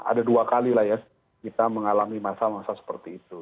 ada dua kali lah ya kita mengalami masa masa seperti itu